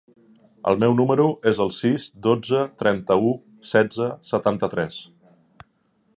El meu número es el sis, dotze, trenta-u, setze, setanta-tres.